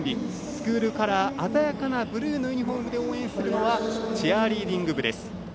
スクールカラー鮮やかなブルーのユニフォームで応援するのはチアリーディング部です。